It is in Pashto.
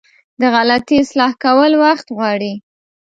د غلطي اصلاح کول وخت غواړي.